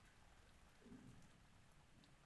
o‘zgalar oldida xijolat bo‘lmasang.